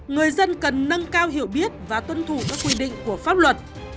người dân cần nâng cao hiểu biết và tuân thủ các quy định của pháp luật